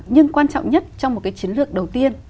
nhưng quan trọng nhất trong một cái chiến lược đầu tiên